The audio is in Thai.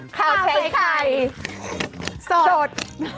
ข้าวใส่ไข่สด